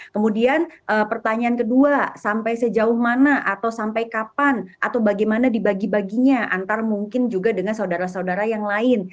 kemudian pertanyaan kedua sampai sejauh mana atau sampai kapan atau bagaimana dibagi baginya antara mungkin juga dengan saudara saudara yang lain